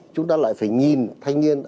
chúng ta lại phải nhìn thanh niên